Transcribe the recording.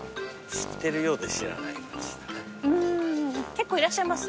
結構いらっしゃいます？